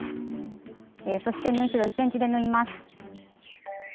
そして縫い代１ｃｍで縫います。